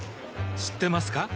知ってますか？